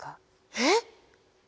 えっ？